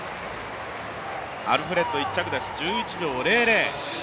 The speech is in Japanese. アルフレッド、１着です１１秒００。